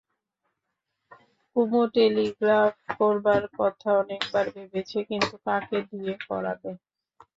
কুমু telegraph করবার কথা অনেকবার ভেবেছে, কিন্তু কাকে দিয়ে করাবে।